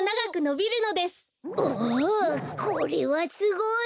おおこれはすごい。